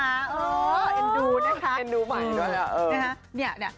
ไม่ฝันมึกปุ๊บไปฉีดวัคซีน